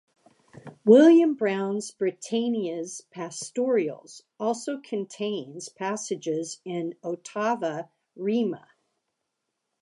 William Browne's "Britannia's Pastorals "also contains passages in ottava rima.